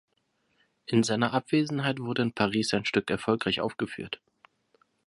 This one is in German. In seiner Abwesenheit wurde in Paris sein Stück erfolgreich aufgeführt.